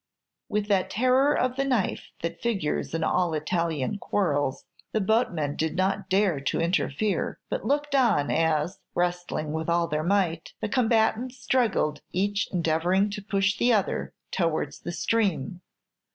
With that terror of the knife that figures in all Italian quarrels, the boatmen did not dare to interfere, but looked on as, wrestling with all their might, the combatants struggled, each endeavoring to push the other towards the stream.